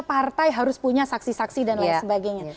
partai harus punya saksi saksi dan lain sebagainya